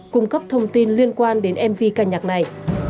cung cấp thông tin liên quan đến mv ca nhạc này